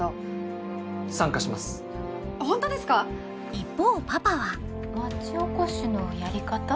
一方パパは町おこしのやり方？